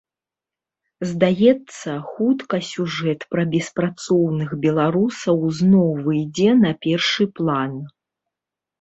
Здаецца, хутка сюжэт пра беспрацоўных беларусаў зноў выйдзе на першы план.